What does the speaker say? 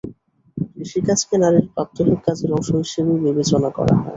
কৃষিকাজকে নারীর প্রাত্যহিক কাজের অংশ হিসেবে বিবেচনা করা হয়।